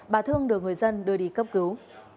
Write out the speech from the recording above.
bà thương đưa người dân đưa đi cấp cứu